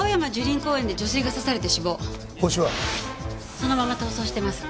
そのまま逃走してます。